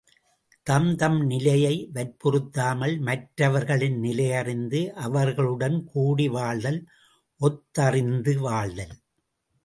தம்தம் நிலையை வற்புறுத்தாமல் மற்றவர்கள் நிலையறிந்து அவர்களுடன் கூடி வாழ்தல் ஒத்ததறிந்து வாழ்தல்.